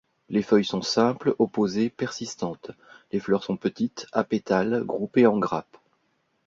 Les feuilles sont simples, opposées, persistantes; les fleurs sont petites, apétales, groupées en grappes.